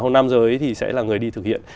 hôm năm giờ ấy thì sẽ là người đi thực hiện